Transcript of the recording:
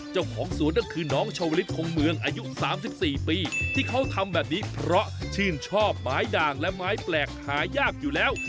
เจ้าของสวนนั่นคือน้องชาวลิศคงเมืองอายุ๓๔ปีที่เขาทำแบบนี้เพราะชื่นชอบไม้ด่างและไม้แปลกหายากอยู่แล้ว